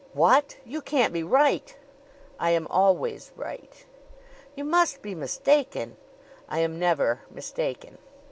"What? You can't be right." "I am always right." "You must be mistaken." "I am never mistaken."